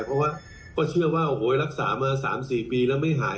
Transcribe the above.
เพราะว่าก็เชื่อว่าโอ้โหรักษามา๓๔ปีแล้วไม่หาย